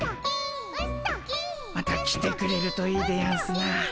また来てくれるといいでやんすな。